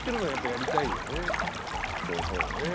そうそうね。